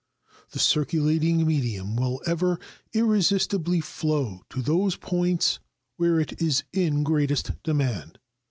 The circulating medium will ever irresistibly flow to those points where it is in greatest demand.